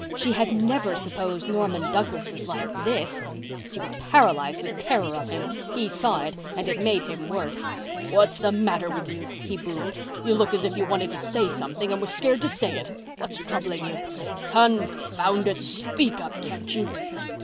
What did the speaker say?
She had never supposed Norman Douglas was like this. She was paralyzed with terror of him. He saw it and it made him worse. "What's the matter with you?" he boomed. "You look as if you wanted to say something and was scared to say it. What's troubling you? Confound it, speak up, can't you?"